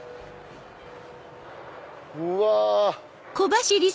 うわ！